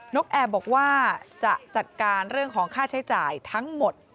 กแอร์บอกว่าจะจัดการเรื่องของค่าใช้จ่ายทั้งหมด